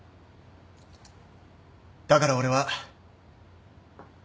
だから俺は。